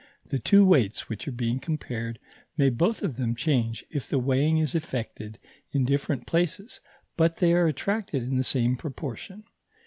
The two weights which are being compared may both of them change if the weighing is effected in different places, but they are attracted in the same proportion.